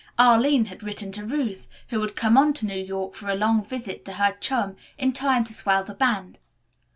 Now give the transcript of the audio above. Arline had written to Ruth, who had come on to New York for a long visit to her chum in time to swell the band.